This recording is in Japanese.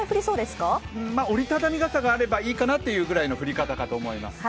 折り畳み傘があればいいかなというくらいの降り方だと思います。